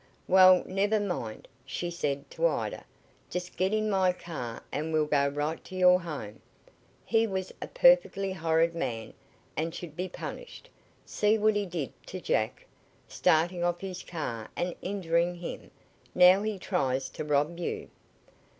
"Well, never mind," she said to Ida. "Just get in my car and we'll go right to your home. He was a perfectly horrid man, and should be punished. See what he did to Jack, starting off his car and injuring him. Now he tries to rob you."